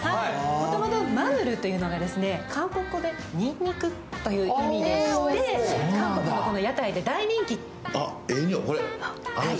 もともとマヌルというのが韓国語でにんにくという意味で韓国の屋台で大人気！